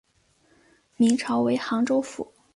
明朝为杭州府。